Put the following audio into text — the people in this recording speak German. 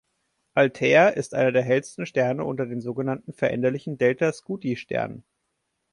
Altair ist einer der hellsten Sterne unter den sogenannten veränderlichen Delta-Scuti-Sternen.